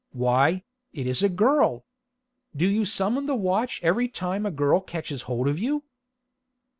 "Why, it is a girl! Do you summon the watch every time a girl catches hold of you?"